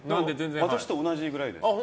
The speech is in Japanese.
私と同じくらいです。